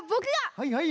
はいはい。